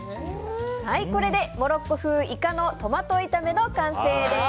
これでモロッコ風イカのトマト炒めの完成です。